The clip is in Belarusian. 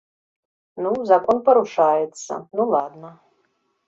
Ну, закон парушаецца, ну ладна.